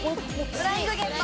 「フライングゲット